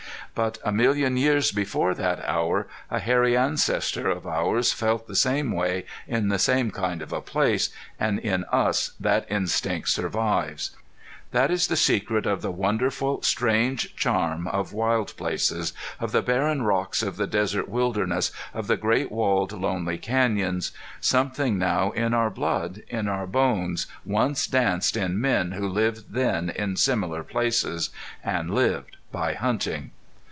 But a million years before that hour a hairy ancestor of ours felt the same way in the same kind of a place, and in us that instinct survives. That is the secret of the wonderful strange charm of wild places, of the barren rocks of the desert wilderness, of the great walled lonely canyons. Something now in our blood, in our bones once danced in men who lived then in similar places. And lived by hunting!